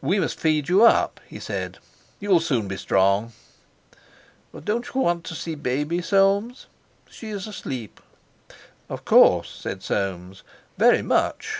"We must feed you up," he said, "you'll soon be strong." "Don't you want to see baby, Soames? She is asleep." "Of course," said Soames, "very much."